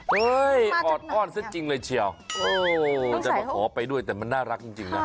เฮ้ยออดอ้อนซะจริงเลยเชียวจะมาขอไปด้วยแต่มันน่ารักจริงนะ